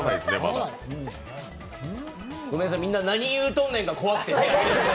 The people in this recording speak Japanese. ごめんなさい、みんな、何言うとんねんが怖くて。